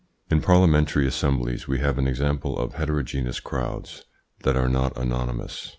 In parliamentary assemblies we have an example of heterogeneous crowds that are not anonymous.